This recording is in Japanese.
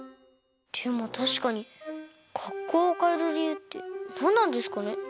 でもたしかにかっこうをかえるりゆうってなんなんですかね？